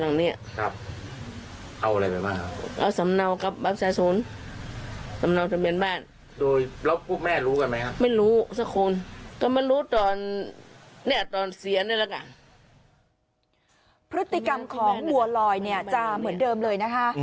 รู้ตอนเนี่ยตอนเสียนี่แหละกันพฤติกรรมของหัวลอยเนี่ยจะเหมือนเดิมเลยนะคะ